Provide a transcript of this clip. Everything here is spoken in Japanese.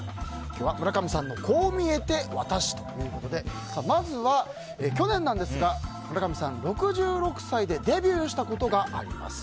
今日は村上さんのこう見えてワタシということでまずは、去年なんですが村上さん、６６歳でデビューしたことがあります。